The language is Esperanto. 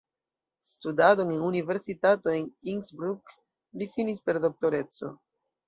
Studadon en universitato en Innsbruck li finis per doktoreco.